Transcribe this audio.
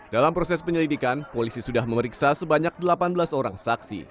dalam proses penyelidikan polisi sudah memeriksa sebanyak delapan belas orang saksi